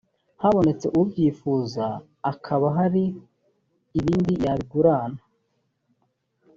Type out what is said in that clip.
habonetse ubyifuza akaba hari ibindi yabigurana